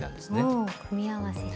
おお組み合わせ。